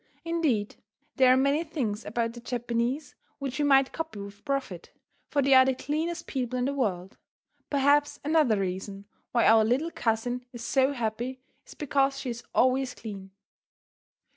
Indeed, there are many things about the Japanese which we might copy with profit, for they are the cleanest people in the world. Perhaps another reason why our little cousin is so happy is because she is always clean.